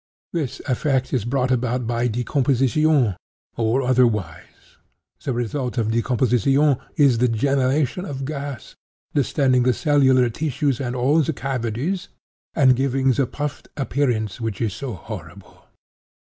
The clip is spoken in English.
This effect is brought about by decomposition, or otherwise. The result of decomposition is the generation of gas, distending the cellular tissues and all the cavities, and giving the puffed appearance which is so horrible.